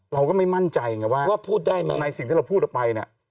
เราก็ไม่มั่นใจไงว่าพูดได้ไหมในสิ่งที่เราพูดออกไปเนี่ย